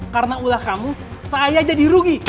karena ulah kamu saya jadi rugi